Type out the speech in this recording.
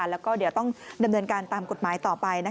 แล้วก็เดี๋ยวต้องดำเนินการตามกฎหมายต่อไป